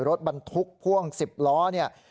รถบันทุกค์พ่วงสิบล้อเนี้ย